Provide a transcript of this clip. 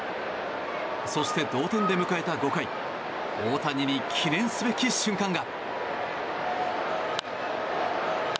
そして同点で迎えた５回大谷に記念すべき瞬間が。